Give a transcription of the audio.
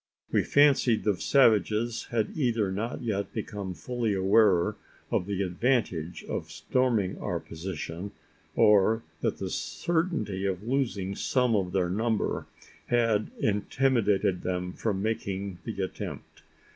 We fancied the savages had either not yet become fully aware of the advantage of storming our position, or that the certainty of losing some of their number had intimidated them from making the attempt.